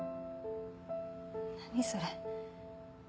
何それ。